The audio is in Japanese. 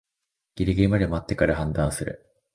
ギリギリまで待ってから判断する